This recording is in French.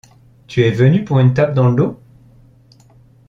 Tu es venu pour une tape dans le dos ?